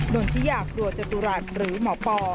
โดนพิยาประจนรับหรือหมอปลอ